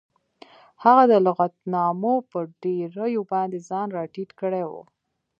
هغه د لغتنامو په ډیریو باندې ځان راټیټ کړی و